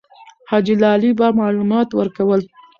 حاجي لالی به معلومات ورکول.